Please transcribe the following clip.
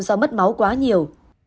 do mất máu quá nhiều